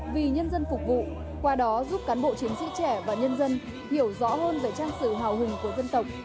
vì nhân dân phục vụ qua đó giúp cán bộ chiến sĩ trẻ và nhân dân hiểu rõ hơn về trang sử hào hùng của dân tộc